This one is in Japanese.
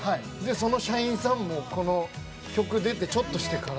その社員さんもこの曲出てちょっとしてから。